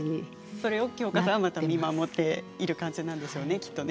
それを京香さんがまた見守っているんでしょうね。